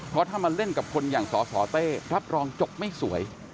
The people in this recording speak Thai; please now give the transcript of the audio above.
เพราะถ้ามาเล่นกับคนอย่างสสเต้รับรองจบไม่สวย